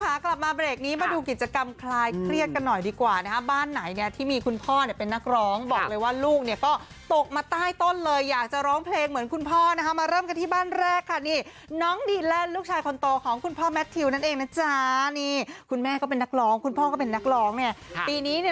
กลับมาเบรกนี้มาดูกิจกรรมคลายเครียดกันหน่อยดีกว่านะฮะบ้านไหนเนี่ยที่มีคุณพ่อเนี่ยเป็นนักร้องบอกเลยว่าลูกเนี่ยก็ตกมาใต้ต้นเลยอยากจะร้องเพลงเหมือนคุณพ่อนะคะมาเริ่มกันที่บ้านแรกค่ะนี่น้องดีแลนด์ลูกชายคนโตของคุณพ่อแมททิวนั่นเองนะจ๊ะนี่คุณแม่ก็เป็นนักร้องคุณพ่อก็เป็นนักร้องเนี่ยปีนี้เนี่ย